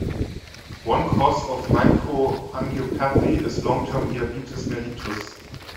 One cause of microangiopathy is long-term diabetes mellitus.